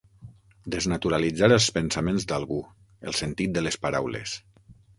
Desnaturalitzar els pensaments d'algú, el sentit de les paraules.